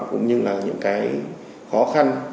cũng như là những cái khó khăn